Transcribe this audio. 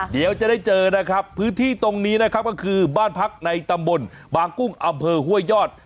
เดี๋ยวจะได้เจอนะครับพื้นที่ตรงนี้นะครับก็คือบ้านพักในตำบลบางกุ้งอำเภอห้วยยอด